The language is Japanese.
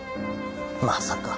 まさか。